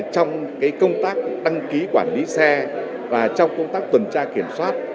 trong công tác đăng ký quản lý xe và trong công tác tuần tra kiểm soát